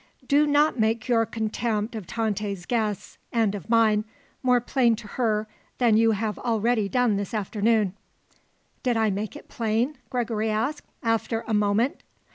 Do not make your contempt of Tante's guests and of mine more plain to her than you have already done this afternoon." "Did I make it plain?" Gregory asked, after a moment.